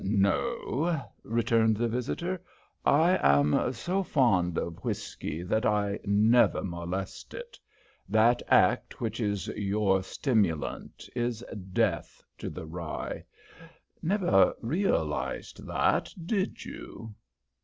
"No," returned the visitor. "I am so fond of whiskey that I never molest it. That act which is your stimulant is death to the rye. Never realized that, did you?"